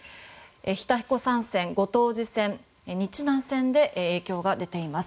日田彦山線、後藤寺線日南線で影響が出ています。